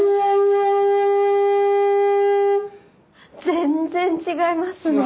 全然違いますね。